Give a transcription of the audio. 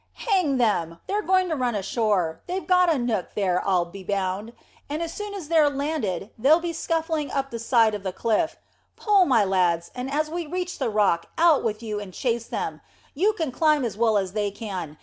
"Hang them! They're going to run ashore. They've got a nook there, I'll be bound, and as soon as they're landed they'll be scuffling up the side of the cliff. Pull, my lads, and as we reach the rock, out with you and chase them; you can climb as well as they can.